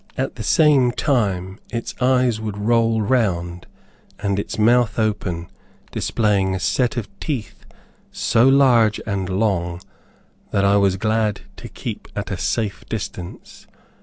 At the same time its eyes would roll round, and its mouth open, displaying a set of teeth so large and long that I was glad to keep at a safe distance.